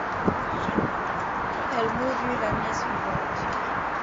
Elle mourut l'année suivante.